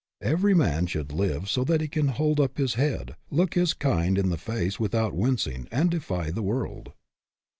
Every man should live so that he can hold up his SUCCESS WITH A FLAW 233 head, look his kind in the face without winc ing, and defy the world.